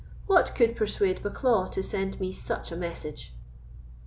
What could persuade Bucklaw to send me such a message?"